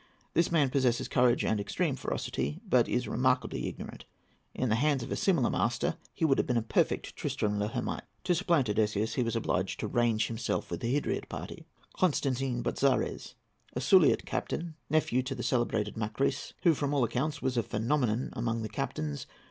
This man possesses courage and extreme ferocity, but is remarkably ignorant. In the hands of a similar master, he would have been a perfect Tristan l'Hermite. To supplant Odysseus, he was obliged to range himself with the Hydriot party. CONSTANTINE BOTZARES.—A Suliot captain; nephew to the celebrated Makrys, who, from all accounts, was a phenomenon among the captains.